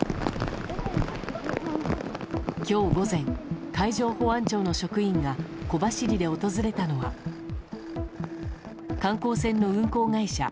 今日午前、海上保安庁の職員が小走りで訪れたのは観光船の運航会社